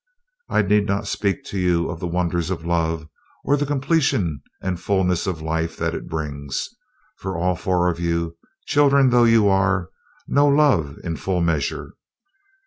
I need not speak to you of the wonders of love or of the completion and fullness of life that it brings, for all four of you, children though you are, know love in full measure.